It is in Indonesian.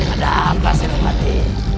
ada apa senobati